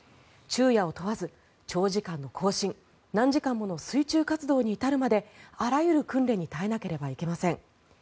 昼夜を問わず、長時間の行進何時間もの水中活動に至るまであらゆる訓練に耐えなければいけません。